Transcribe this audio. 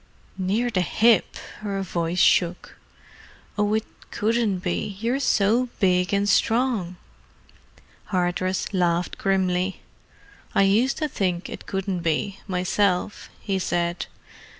"Near the hip!" Her voice shook. "Oh, it couldn't be—you're so big and strong!" Hardress laughed grimly. "I used to think it couldn't be, myself," he said.